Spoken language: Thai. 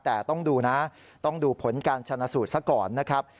แต่ต้องดูนะต้องดูผลการชนะสูตรซะก่อนนะครับ